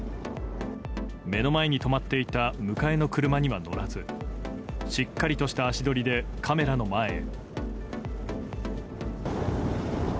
目の前に止まっていた迎えの車には乗らずしっかりとした足取りでカメラの前へ。